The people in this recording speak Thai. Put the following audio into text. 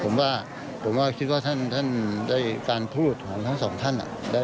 ผมว่าท่านได้รัฐศาสตรีการพูดของกับทั้งสองท่านนะ